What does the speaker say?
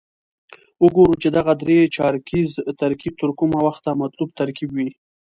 وګورو چې دغه درې چارکیز ترکیب تر کومه وخته مطلوب ترکیب وي.